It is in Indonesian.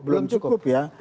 belum cukup ya